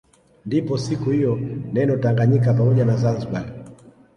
Ndipo siku hiyo neno Tanaganyika pamoja na Zanzibar